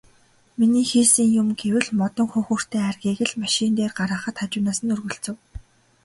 Миний хийсэн юм гэвэл модон хөхүүртэй айргийг л машин дээр гаргахад хажуугаас нь өргөлцөв.